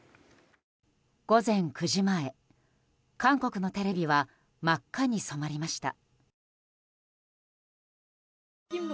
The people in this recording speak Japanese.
午前９時前、韓国のテレビは真っ赤に染まりました。